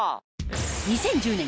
２０１０年